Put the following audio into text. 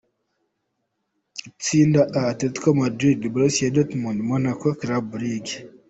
Itsinda A: Atletico Madrid, Borussia Dortmund, Monaco, Club Brugge.